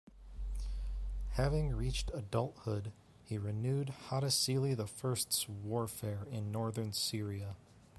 Having reached adulthood, he renewed Hattusili the First's warfare in northern Syria.